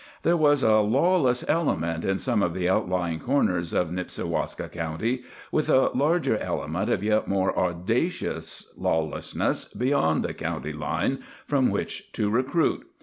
There was a lawless element in some of the outlying corners of Nipsiwaska County, with a larger element of yet more audacious lawlessness beyond the county line from which to recruit.